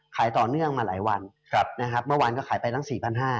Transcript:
ขายต่อเนื่องมาหลายวันครับนะครับเมื่อวานก็ขายไปตั้ง๔๕๐๐